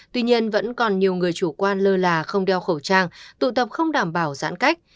tuy nhiên vẫn còn nhiều người chủ quan lơ là không đeo khẩu trang tụ tập không đảm bảo giãn cách